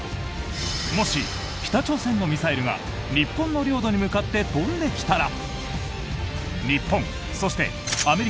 もし、北朝鮮のミサイルが日本の領土に向かって飛んできたら？